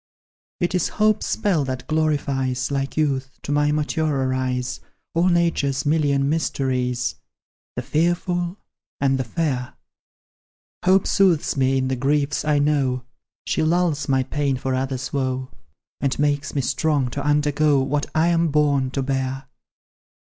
"It is hope's spell that glorifies, Like youth, to my maturer eyes, All Nature's million mysteries, The fearful and the fair Hope soothes me in the griefs I know; She lulls my pain for others' woe, And makes me strong to undergo What I am born to bear.